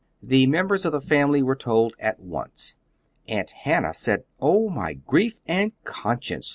The members of the family were told at once. Aunt Hannah said "Oh, my grief and conscience!"